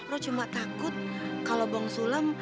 ro cuma takut kalau bang sulam